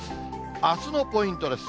あすのポイントです。